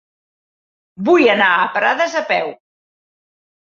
Vull anar a Prades a peu.